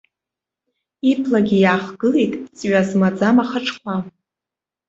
Иблагьы иаахгылеит, ҵҩа змаӡам ахаҿқәа.